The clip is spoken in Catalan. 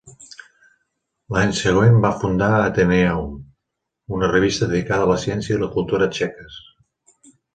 L'any següent va fundar "Athenaeum", una revista dedicada a la ciència i la cultura txeques.